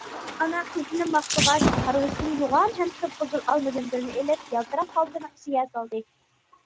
- ئانا قىزىنى ماختىغاچ ھارۋىسىدىن يوغان ھەم قىپقىزىل ئالمىدىن بىرنى ئېلىپ يالتىراق خالتىنىڭ ئىچىگە سالدى.